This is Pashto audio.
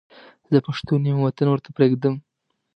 زه پښتون یم وطن ورته پرېږدم.